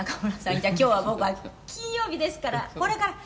じゃあ今日は僕は金曜日ですからこれから”」